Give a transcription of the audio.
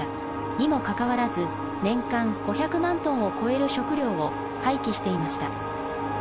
にもかかわらず年間５００万トンを超える食料を廃棄していました。